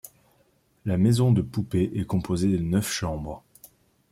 La maison de poupée est composée de neuf chambres.